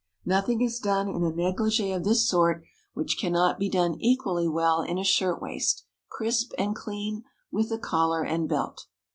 Nothing is done in a négligée of this sort which cannot be done equally well in a shirt waist, crisp and clean, with a collar and belt.